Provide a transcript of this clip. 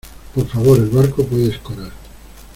por favor. el barco puede escorar